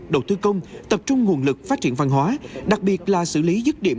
đầu tư công tập trung nguồn lực phát triển văn hóa đặc biệt là xử lý dứt điểm